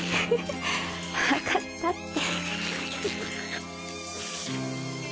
わかったって。